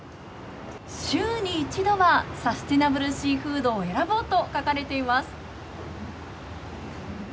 週に一度はサステナブルシーフードを選ぼうと書かれています。